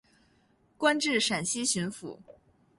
官至陕西巡抚。